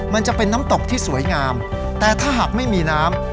มันจะเป็นน้ำตกที่สวยงามแต่ถ้าหากไม่มีน้ำ